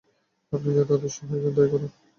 আপনি যাতে আদিষ্ট হয়েছেন তাই করুন।